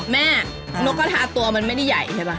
นกกระทาตัวมันไม่ได้ใหญ่ใช่ป่ะ